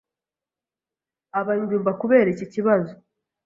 aba ingumba kubera iki kibazo,